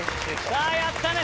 さあやったね。